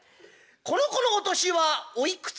「この子のお年はおいくつで？」。